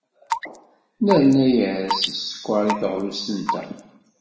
Nerna-as sskeṛ i teɣlust-nteɣ.